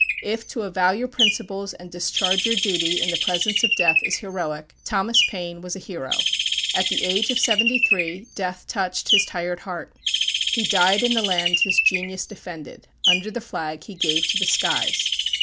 If to avow your principles and discharge your duty in the presence of death is heroic, Thomas Paine was a hero. At the age of seventy three, death touched his tired heart. He died in the land his genius defended under the flag he gave to the skies.